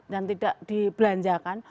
dan tidak dibelanjakan